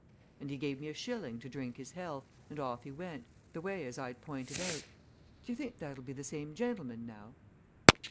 And he gave me a shilling to drink his health, and off he went, the way as I'd pointed out. D'ye think that'll be the same gentleman, now?"